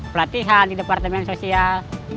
pelatihan di departemen sosial